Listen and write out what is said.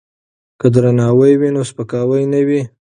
که درناوی وي نو سپکاوی نه وي.